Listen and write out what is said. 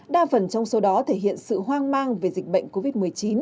đa phần trong số đó thể hiện sự hoang mang về dịch bệnh covid một mươi chín